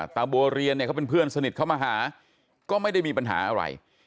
บัวเรียนเนี่ยเขาเป็นเพื่อนสนิทเขามาหาก็ไม่ได้มีปัญหาอะไร